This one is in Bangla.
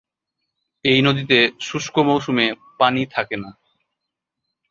এই নদীতে শুষ্ক মৌসুমে পানি থাকে না।